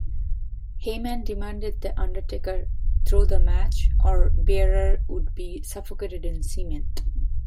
Heyman demanded The Undertaker throw the match or Bearer would be suffocated in cement.